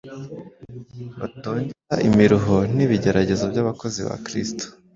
batongera imiruho n’ibigeragezo by’abakozi ba Kristo.